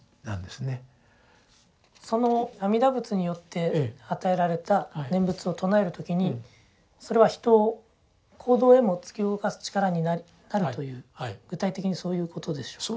その阿弥陀仏によって与えられた念仏を称える時にそれは人を行動へも突き動かす力になるという具体的にそういうことでしょうか。